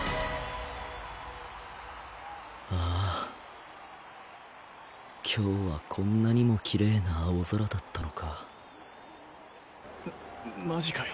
ああ今日はこんなにもキレイな青空だったのかママジかよ